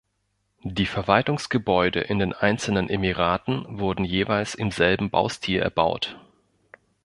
Die Verwaltungsgebäude in den einzelnen Emiraten wurden jeweils im selben Baustil erbaut.